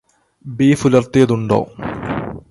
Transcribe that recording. ബീഫുലർത്തിയതുണ്ടോ?